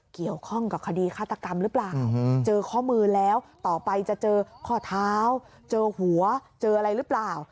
เกี่ยวข้องกับคดีฆาตกรรมหรือเปล่าเจอข้อมือแล้วต่อไปจะเจอข้อเท้าเจอหัวเจออะไรหรือเปล่า